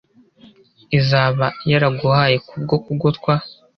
izaba yaraguhaye ku bwo kugotwa